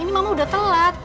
ini mama udah telat